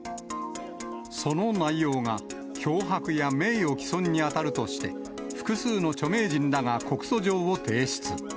その内容が脅迫や名誉毀損に当たるとして、複数の著名人らが告訴状を提出。